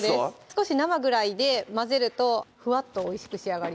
少し生ぐらいで混ぜるとふわっとおいしく仕上がります